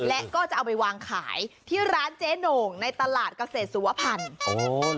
และก็จะเอาไปวางขายที่ร้านเจ๊โหน่งในตลาดเกษตรสุวพันธ์